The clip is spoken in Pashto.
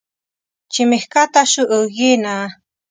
چې مې ښکته شو اوږې نه